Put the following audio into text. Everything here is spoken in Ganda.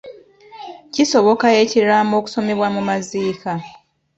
Kisoboka ekiraamo okusomebwa mu maziika.